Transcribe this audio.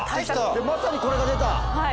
でまさにこれが出た。